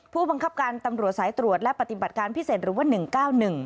ผู้บังคับการตำรวจสายตรวจและปฏิบัติการพิเศษหรือว่า๑๙๑